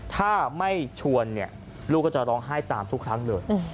ถ้าไม่ชวนเนี่ยลูกก็จะร้องไห้ตามทุกครั้งเลย